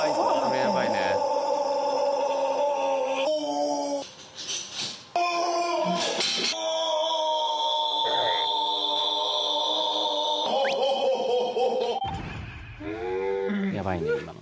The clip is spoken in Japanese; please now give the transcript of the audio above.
やばいね、今の。